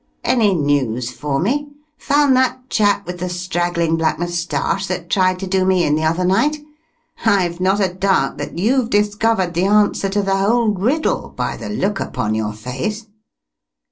"Any news for me? Found that chap with the straggling black moustache that tried to do me in the other night? I've not a doubt that you've discovered the answer to the whole riddle, by the look upon your face."